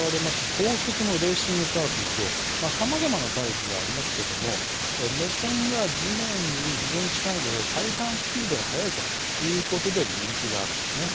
高速のレーシングカートなどさまざまなタイプがありますが目線が地面に非常に近いので体感スピードが速いということで人気があるんです。